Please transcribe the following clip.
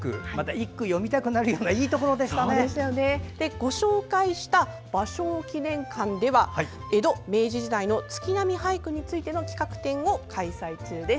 一句詠みたくなるようなご紹介した芭蕉記念館では江戸・明治時代の月並俳句についての企画展を開催中です。